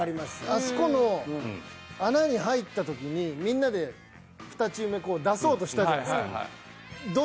あそこの穴に入った時にみんなで２チーム目出そうとしたじゃないっすか。